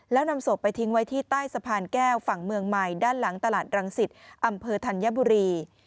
แล้วนำศพไปทิ้งไว้ที่ใต้สะพานแก้วฝั่งเมืองใหม่ด้านหลังตลาดรังสิตอำเภอธัญบุรี